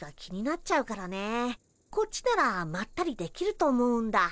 こっちならまったりできると思うんだ。